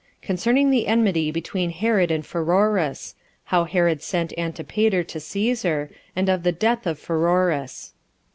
Concerning The Enmity Between Herod And Pheroras; How Herod Sent Antipater To Cæsar; And Of The Death Of Pheroras.